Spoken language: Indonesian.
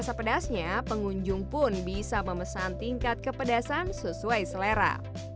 rasa pedasnya pengunjung pun bisa memesan tingkat kepedasan sesuai selera